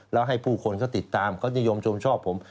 แล้วให้ผู้คนเขาติดตามเขานิยมชมชอบผม